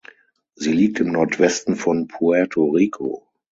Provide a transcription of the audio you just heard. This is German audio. Sie liegt im Nordwesten von Puerto Rico.